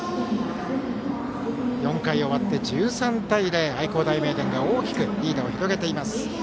４回終わって１３対０愛工大名電が大きくリードを広げています。